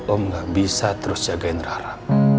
om gak bisa terus jagain rara